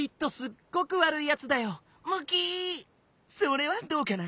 それはどうかな。